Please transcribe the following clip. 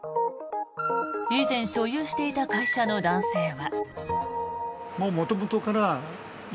以前所有していた会社の男性は。